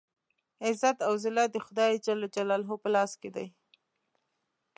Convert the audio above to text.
عزت او ذلت د خدای جل جلاله په لاس کې دی.